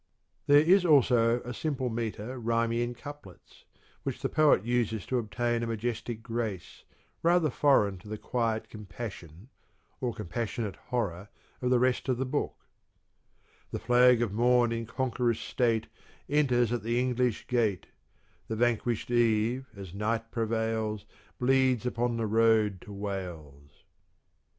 There is also a simple metre rhyming in couplets, which the poet uses to obtain a majestic grace rather foreign to the quiet compassion, or compassionate horror, of the rest of the book : The flag of morn in conqueror's state Enters at the English gate ; The vanquished Eve, as night prevails Bleeds upon the road to Wales.